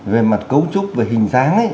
về mặt cấu trúc và hình dáng